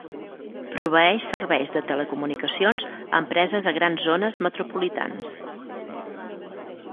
Proveeix serveis de telecomunicacions a empreses a grans zones metropolitans.